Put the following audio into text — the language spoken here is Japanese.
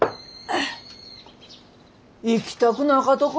行きたくなかとか。